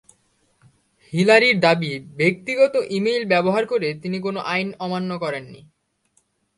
হিলারির দাবি, ব্যক্তিগত ই-মেইল ব্যবহার করে তিনি কোনো আইন অমান্য করেননি।